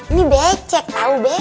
ini becek tau becek